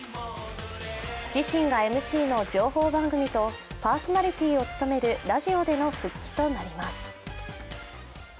自身がＭＣの情報番組とパーソナリティーを務めるラジオでの復帰となります。